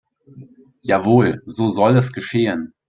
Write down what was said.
Jawohl, so soll es geschehen.